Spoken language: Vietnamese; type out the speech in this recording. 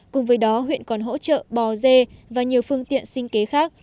cùng với đó huyện còn hỗ trợ bò dê và nhiều phương tiện sinh kế khác